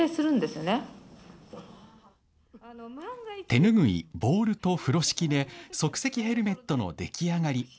手拭い、ボウルと風呂敷で即席ヘルメットの出来上がり。